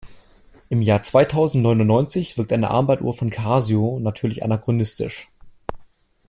Im Jahr zweitausendneunundneunzig wirkt eine Armbanduhr von Casio natürlich anachronistisch.